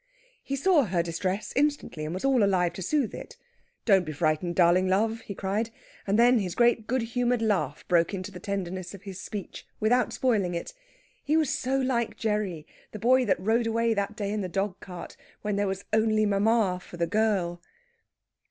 He saw her distress instantly, and was all alive to soothe it. "Don't be frightened, darling love!" he cried, and then his great good humoured laugh broke into the tenderness of his speech, without spoiling it. He was so like Gerry, the boy that rode away that day in the dog cart, when there was "only mamma for the girl."